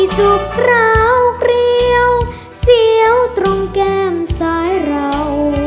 สวัสดีครับ